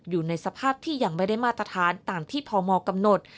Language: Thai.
อยู่ในสภาพที่ยังไม่ได้มาตรฐานตามที่พมกำหนด